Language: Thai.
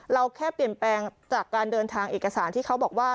เราแค่เปลี่ยนแปลงจากการเดินทางเอกสารที่เขาบอกว่า